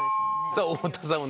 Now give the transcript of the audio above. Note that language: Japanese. さあ太田さん